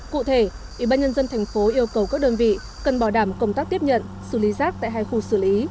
cụ thể ủy ban nhân dân thành phố yêu cầu các đơn vị cần bảo đảm công tác tiếp nhận xử lý rác tại hai khu xử lý